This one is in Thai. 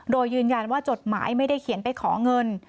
โดยยืนยันว่าจดหมายไม่ได้เขียนไปขอเงิน